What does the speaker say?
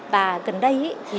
và gần đây